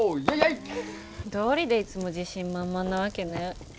どうりでいつも自信満々なわけね。